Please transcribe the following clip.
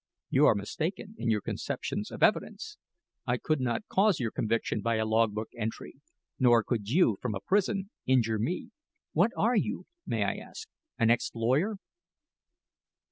"You are mistaken in your conceptions of evidence. I could not cause your conviction by a log book entry; nor could you, from a prison, injure me. What are you, may I ask an ex lawyer?"